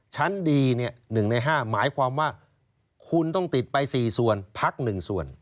ชั้นดี๑ใน๕หมายความว่าคุณต้องติดไป๔ส่วนพัก๑ส่วน